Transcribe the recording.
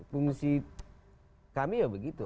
fungsi kami begitu